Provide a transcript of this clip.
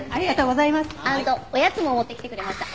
アンドおやつも持ってきてくれました。